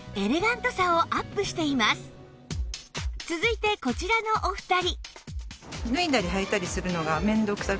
続いてこちらのお二人